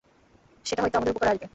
যেটা হয়ত আমাদের উপকারে আসবে।